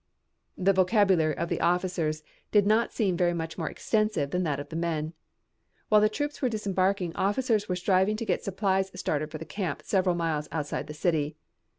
'" The vocabulary of the officers did not seem very much more extensive than that of the men. While the troops were disembarking officers were striving to get supplies started for the camp several miles outside the city.